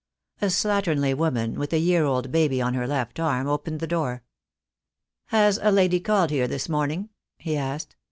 A slatternly woman, with a year old baby on her left arm, opened the door. "Has a lady called here this morning?" he asked.